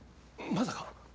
まさか。